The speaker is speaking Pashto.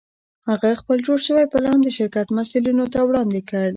هغه خپل جوړ شوی پلان د شرکت مسوولینو ته وړاندې کړ